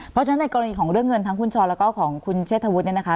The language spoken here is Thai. เพราะฉะนั้นในกรณีของเรื่องเงินทั้งคุณช้อนแล้วก็ของคุณเชษฐวุฒิเนี่ยนะคะ